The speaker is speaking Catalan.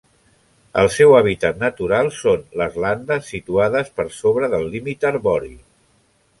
El seu hàbitat natural són les landes situades per sobre del límit arbori.